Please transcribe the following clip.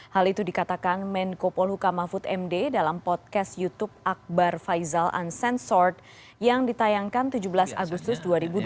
hal itu dikatakan menko polhuka mahfud md dalam podcast youtube akbar faizal uncensort yang ditayangkan tujuh belas agustus dua ribu dua puluh